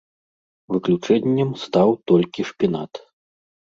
Выключэннем стаў толькі шпінат.